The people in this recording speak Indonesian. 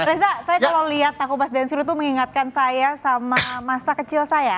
reza saya kalau lihat takupas dance crew tuh mengingatkan saya sama masa kecil saya